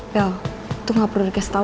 bel itu gak perlu dikasih tau